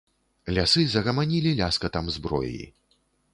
Лясы загаманілі ляскатам зброі.